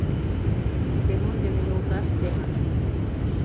Семон дене йолташ семын